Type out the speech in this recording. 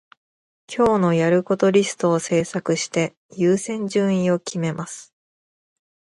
今日のやることリストを作成して、優先順位を決めます。